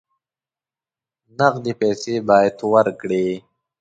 نقدې پیسې باید ورکړې.